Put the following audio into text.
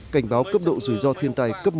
cảnh báo cấp độ rủi ro thiên tài cấp một